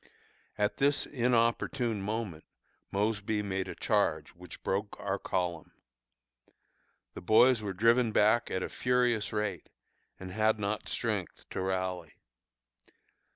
At this inopportune moment Mosby made a charge which broke our column. The boys were driven back at a furious rate, and had not strength to rally.